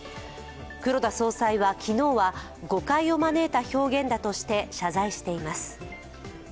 黒田総裁は、昨日は誤解を招いた表現だとして謝罪しています。